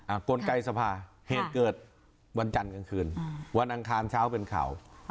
กลไกสภาเหตุเกิดวันจันทร์กลางคืนอืมวันอังคารเช้าเป็นข่าว